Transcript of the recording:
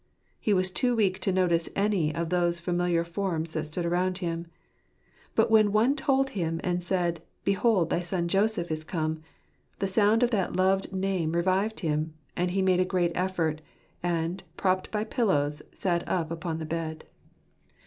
He was too weak to notice any of those familiar forms that stood around him. But when one told him and said, "Behold, thy son Joseph is come," the sound of that loved name revived him, and he made a great effort, and, propped by pillows, sat up upon the bed.